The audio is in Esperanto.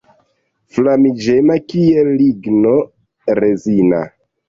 Flamiĝema kiel ligno rezina.